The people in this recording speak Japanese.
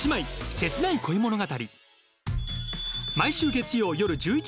切ない恋物語。